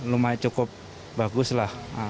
lumayan cukup bagus lah